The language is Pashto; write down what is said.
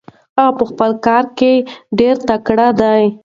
هغه په خپل کار کې ډېر تکړه دی.